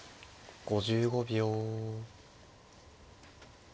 ５５秒。